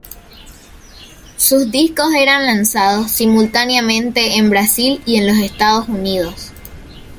Sus discos eran lanzados simultáneamente en Brasil y en los Estados Unidos.